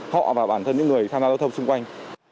họ và bản thân những người tham gia giao thông xung quanh